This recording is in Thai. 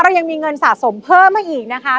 ยังมีเงินสะสมเพิ่มมาอีกนะคะ